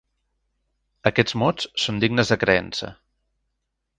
Aquests mots són dignes de creença.